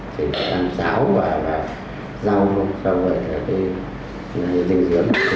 thì phải ăn rau và rau không